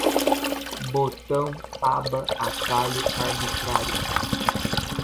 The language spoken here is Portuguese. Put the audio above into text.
botão, aba, atalho, arbitrário